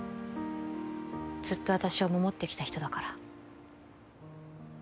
ずっと私を守ってきた人だから。